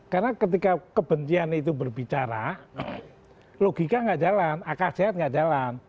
karena ketika kebencian itu berbicara logika gak jalan akal sehat gak jalan